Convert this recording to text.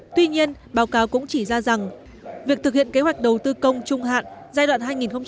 tuy nhiên báo cáo cũng chỉ ra rằng việc thực hiện kế hoạch đầu tư công trung hạn giai đoạn hai nghìn một mươi sáu hai nghìn hai mươi